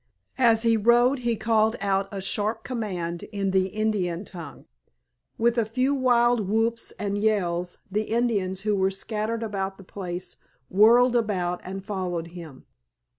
As he rode he called out a sharp command in the Indian tongue. With a few wild whoops and yells the Indians who were scattered about the place whirled about and followed him.